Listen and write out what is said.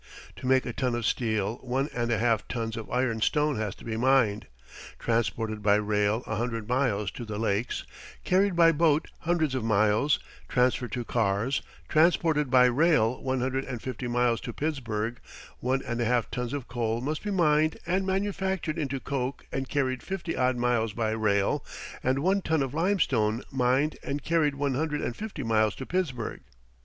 To make a ton of steel one and a half tons of iron stone has to be mined, transported by rail a hundred miles to the Lakes, carried by boat hundreds of miles, transferred to cars, transported by rail one hundred and fifty miles to Pittsburgh; one and a half tons of coal must be mined and manufactured into coke and carried fifty odd miles by rail; and one ton of limestone mined and carried one hundred and fifty miles to Pittsburgh.